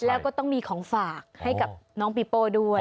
แล้วก็ต้องมีของฝากให้กับน้องปีโป้ด้วย